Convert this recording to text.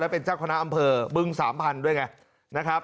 และเป็นจักรคณะอำเภอบึงสามพันธุ์ด้วยไง